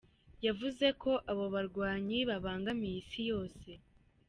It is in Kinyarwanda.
Yavuze ko abo barwanyi babangamiye isi yose.